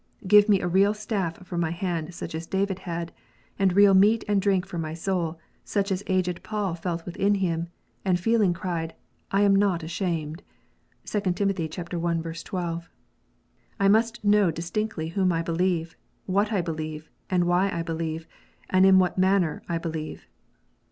Give me a real staff for my hand such as David had, and real meat and drink for my soul such as aged Paul felt within him, and feeling cried, "I am not ashamed." (2 Tim. i. 12.) I must know distinctly whom I believe, what I believe, and why I believe, and in what manner I believe.